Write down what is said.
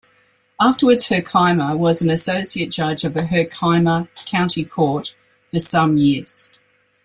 Afterwards Herkimer was an associate judge of the Herkimer County Court for some years.